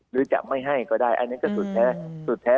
หรือจะไม่ให้ก็ได้อันนี้ก็สุดแท้สุดแท้